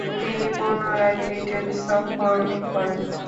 তিনি পুনরায় ব্রিটেন সফর করেন।